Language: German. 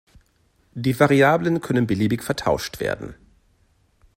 Die Variablen können beliebig vertauscht werden.